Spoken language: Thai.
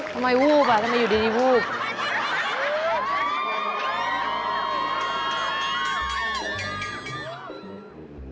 ทำไมวูบทำไมอยู่ดีวูบ